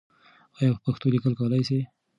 آیا په پښتو لیکل کولای سې؟